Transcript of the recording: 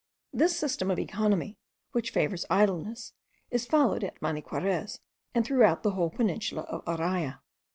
This system of economy, which favours idleness, is followed at Maniquarez, and throughout the whole peninsula of Araya.